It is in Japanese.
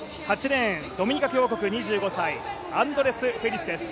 ８レーン、ドミニカ共和国２５歳、アンドレス・フェリスです。